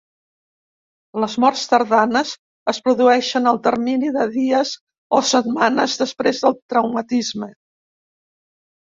Les morts tardanes es produeixen al termini de dies o setmanes després del traumatisme.